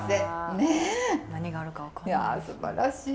ああすばらしい。